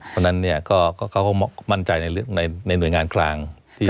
เพราะฉะนั้นเนี่ยเขาก็มั่นใจในหน่วยงานกลาง